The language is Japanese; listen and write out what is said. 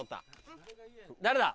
誰だ？